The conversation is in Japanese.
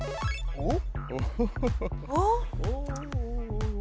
・おっ？